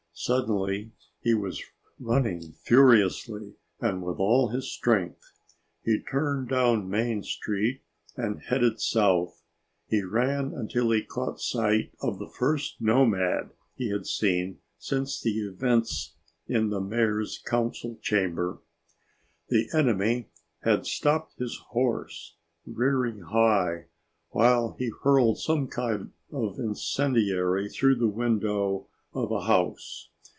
Suddenly he was running furiously and with all his strength. He turned down Main Street and headed south. He ran until he caught sight of the first nomad he had seen since the events in the Mayor's Council chamber. The enemy had stopped his horse, rearing high, while he hurled some kind of incendiary through the window of a house.